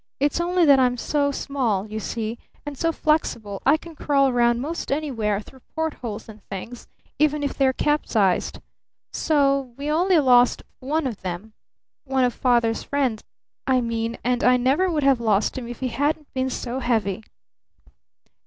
"It's only that I'm so small, you see, and so flexible I can crawl 'round most anywhere through port holes and things even if they're capsized. So we only lost one of them one of Father's friends, I mean; and I never would have lost him if he hadn't been so heavy."